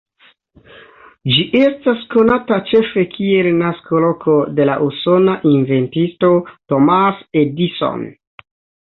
Ĝi estas konata ĉefe kiel naskoloko de la usona inventisto Thomas Edison.